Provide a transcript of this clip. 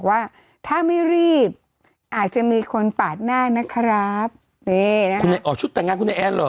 ว่าถ้าไม่รีบอาจจะมีคนปาดหน้านะครับนี่นะคุณออกชุดแต่งงานคุณไอแอนเหรอ